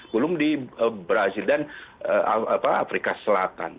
belum di brazil dan afrika selatan